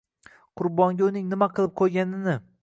Qurbonga uning nima qilib qo‘yganini